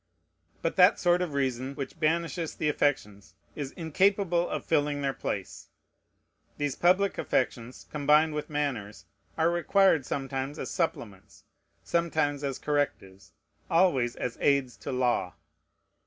But that sort of reason which banishes the affections is incapable of filling their place. These public affections, combined with manners, are required sometimes as supplements, sometimes as correctives, always as aids to law.